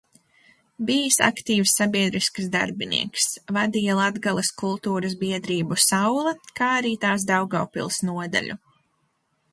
"Bijis aktīvs sabiedrisks darbinieks, vadīja Latgales kultūras biedrību "Saule", kā arī tās Daugavpils nodaļu."